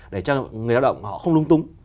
để cho người đào động họ không lung tung